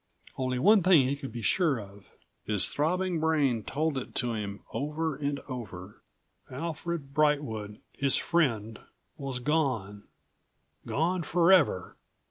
Only one thing he could be sure of; his throbbing brain told it to him over and over: Alfred Brightwood, his friend, was gone—gone forever.